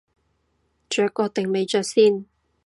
着過定未着先